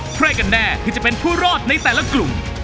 ใครกันแน่คือจะเป็นผู้รอดในแต่ละกลุ่ม